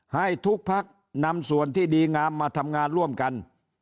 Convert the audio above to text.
ให้ทุกพักนำส่วนที่ดีงามมาทำงานร่วมกัน